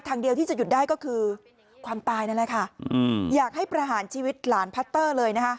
ทางเดียวที่จะหยุดได้ก็คือความตายนั่นแหละค่ะอยากให้ประหารชีวิตหลานพัตเตอร์เลยนะคะ